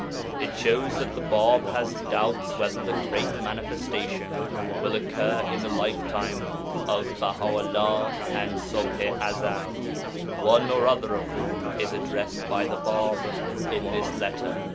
It shows that the Bāb has doubts whether the Great Manifestation will occur in the lifetime of Baha 'ullah and Ṣubḥ i Ezel (one or other of whom is addressed by the Bāb in this letter).